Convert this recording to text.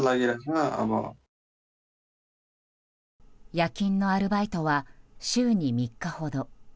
夜勤のアルバイトは週に３日ほど。